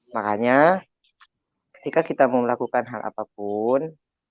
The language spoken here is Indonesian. makanya ketika kita mau melakukan hal apapun